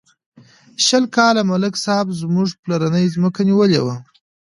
شل کاله ملک صاحب زموږ پلرنۍ ځمکه نیولې وه.